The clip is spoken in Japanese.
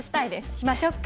しましょうか。